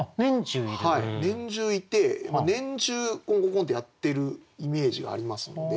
はい年中いて年中コンコンコンッてやってるイメージがありますんで。